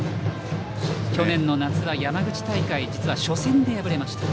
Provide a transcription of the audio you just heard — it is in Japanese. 去年の夏は山口大会実は初戦で敗れました。